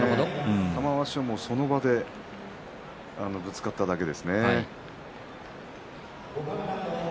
玉鷲は、その場でぶつかっただけですね。